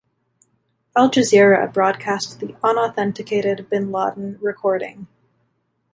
Al Jazeera broadcast the unauthenticated bin Laden recording.